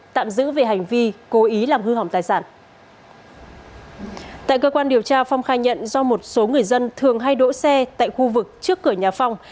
tại cơ quan điều tra phong khai nhận do một số người dân thường hay đỗ xe tại khu vực trước cửa nhà phong